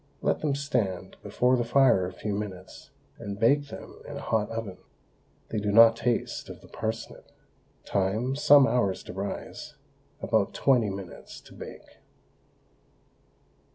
Let them stand before the fire a few minutes, and bake them in a hot oven. They do not taste of the parsnip. Time, some hours to rise; about twenty minutes to bake.